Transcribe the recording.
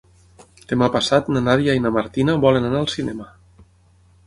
Demà passat na Nàdia i na Martina volen anar al cinema.